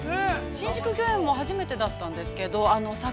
新宿御苑は初めてだったんですけど、桜？